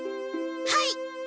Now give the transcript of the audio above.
はい！